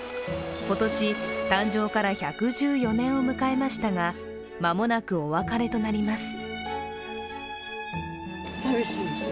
今年誕生から１１４年を迎えましたが間もなくお別れとなります。